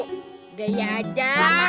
udah ya aja